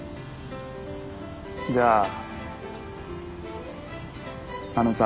じゃああのさ。